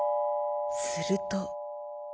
すると。